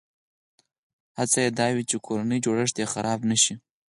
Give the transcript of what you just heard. هڅه یې دا وي چې کورنی جوړښت یې خراب نه شي.